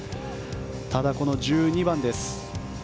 ただ、１２番です。